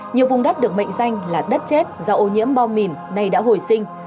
nhiều vùng đất được mệnh danh là đất chết do ô nhiễm bom mìn nay đã hồi sinh